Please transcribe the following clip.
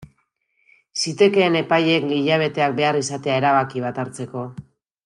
Zitekeen epaileek hilabeteak behar izatea erabaki bat hartzeko.